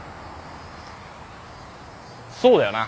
そうだよな。